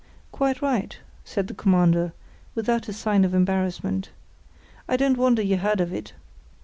"Quite right," said the Commander, without a sign of embarrassment. "I don't wonder you heard of it.